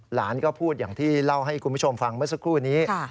หลานก็พูดอย่างที่เล่าให้คุณผู้ชมฟังเมื่อสักครู่นี้